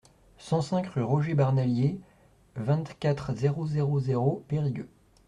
cent cinq rue Roger Barnalier, vingt-quatre, zéro zéro zéro, Périgueux